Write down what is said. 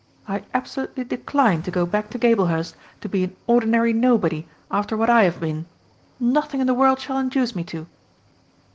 I absolutely decline to go back to Gablehurst to be an ordinary nobody after what I have been. Nothing in the world shall induce me to!"